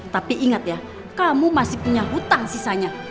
tapi ingat ya kamu masih punya hutang sisanya